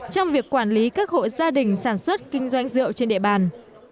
trong việc quản lý các hộ gia đình sản xuất kinh doanh rượu trên địa bàn